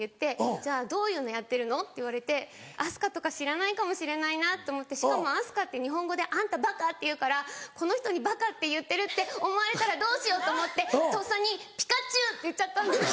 「じゃあどういうのやってるの？」って言われてアスカとか知らないかもしれないなと思ってしかもアスカって日本語で「あんたバカ？」って言うからこの人にバカって言ってるって思われたらどうしようと思ってとっさに「ピカチュ」って言っちゃったんです。